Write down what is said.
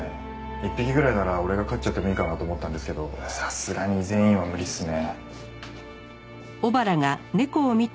１匹ぐらいなら俺が飼っちゃってもいいかなと思ったんですけどさすがに全員は無理っすね。